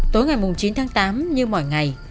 tối ngày chín tháng tám như mỗi ngày